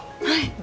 はい！